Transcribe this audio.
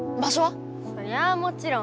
そりゃあもちろん。